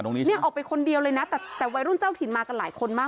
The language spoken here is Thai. เนี่ยออกไปคนเดียวเลยนะแต่วัยรุ่นเจ้าถิ่นมากันหลายคนมาก